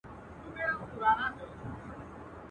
نه رنګین ماښام دی ښکلی په آواز د چڼچڼیو.